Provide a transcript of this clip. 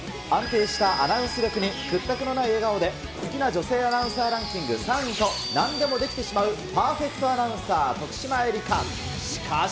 安定したアナウンス歴に、屈託のない笑顔で、好きな女性アナウンサーランキング３位と、なんでもできてしまうパーフェクトアナウンサー、徳島えりか。